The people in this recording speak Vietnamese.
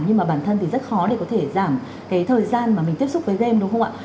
nhưng mà bản thân thì rất khó để có thể giảm cái thời gian mà mình tiếp xúc với game đúng không ạ